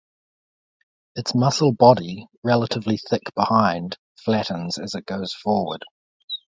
Its muscle body, relatively thick behind, flattens as it goes forward.